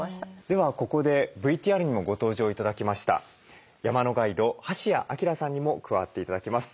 ではここでＶＴＲにもご登場頂きました山のガイド橋谷晃さんにも加わって頂きます。